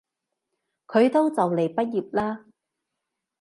佢都就嚟畢業喇